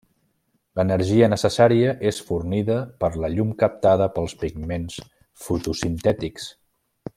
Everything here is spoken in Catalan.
L'energia necessària és fornida per la llum captada pels pigments fotosintètics.